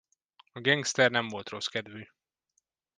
A gengszter nem volt rosszkedvű.